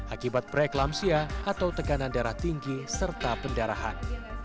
akibat preeklampsia atau tekanan darah tinggi serta pendarahan